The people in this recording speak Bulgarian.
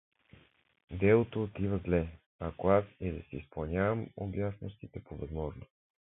Делото отива зле, ако аз и да си изпълнявам обязаностите по възможност.